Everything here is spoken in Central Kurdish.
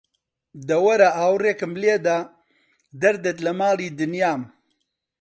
دە وەرە ئاوڕێکم لێدە، دەردت لە ماڵی دنیام